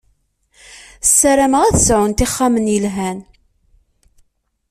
Sarameɣ ad sɛunt ixxamen yelhan.